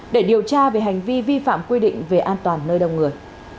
để điều tra về hành vi vi phạm quy định về an toàn nơi đông người